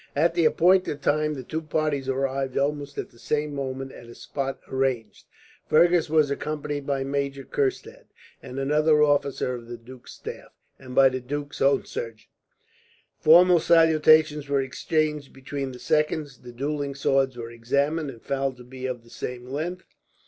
At the appointed time the two parties arrived, almost at the same moment, at a spot arranged. Fergus was accompanied by Major Kurstad and another officer of the duke's staff, and by the duke's own surgeon. Formal salutations were exchanged between the seconds. The duelling swords were examined, and found to be of the same length.